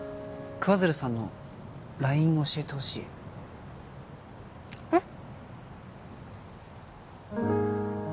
桑鶴さんのＬＩＮＥ教えてほしいえっ？